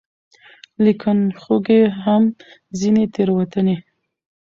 ليکنښو کې هم ځينې تېروتنې